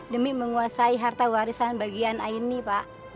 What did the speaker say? demi menguasai harta warisan bagian aini pak